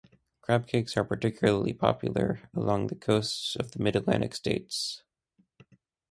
Crab cakes are particularly popular along the coast of the Mid-Atlantic States.